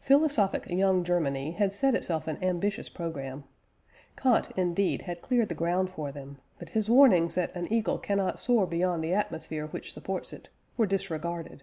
Philosophic young Germany had set itself an ambitious programme. Kant, indeed, had cleared the ground for them, but his warnings that an eagle cannot soar beyond the atmosphere which supports it, were disregarded.